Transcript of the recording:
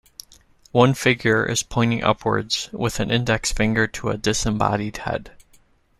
One figure is pointing upwards with an index finger to a disembodied head.